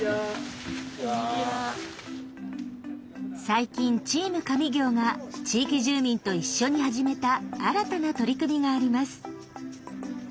最近「チーム上京！」が地域住民と一緒に始めた新たな取り組みがあります。